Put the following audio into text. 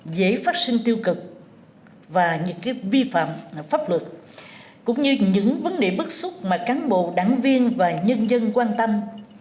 dễ phát sinh tiêu cực và những vi phạm pháp luật cũng như những vấn đề bức xúc mà cán bộ đảng viên và nhân dân quan tâm